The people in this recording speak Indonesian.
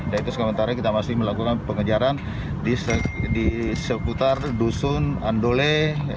dan itu sementara kita masih melakukan pengejaran di sekitar dusun andole